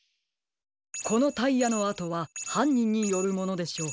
このタイヤのあとははんにんによるものでしょう。